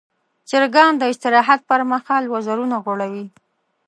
چرګان د استراحت پر مهال وزرونه غوړوي.